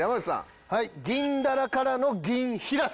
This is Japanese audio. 銀だらからの銀ひらす。